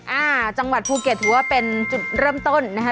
อ่าจังหวัดภูเก็ตถือว่าเป็นจุดเริ่มต้นนะคะ